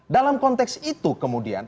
dalam konteks itu kemudian